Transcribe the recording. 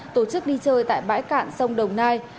tổ chức đi chơi tại bãi cạn sông đồng nai